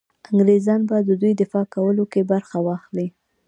انګرېزان به د دوی دفاع کولو کې برخه واخلي.